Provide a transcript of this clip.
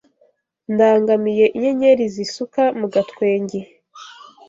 Ndangamiye inyenyeri Zisuka mugatwenge